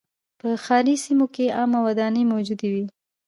په ښاري سیمو کې عامه ودانۍ موجودې وې.